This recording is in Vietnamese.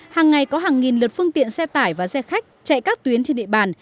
hàng ngày có hàng nghìn lượt phương tiện xe tải và xe khách chạy các tuyến trên địa bàn